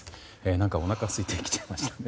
何かおなかすいてきちゃいましたね。